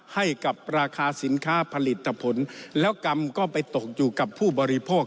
ให้กับราคาสินค้าผลิตผลแล้วกรรมก็ไปตกอยู่กับผู้บริโภค